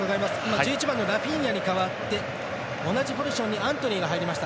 １１番のラフィーニャに代わって同じポジションにアントニーが入りました。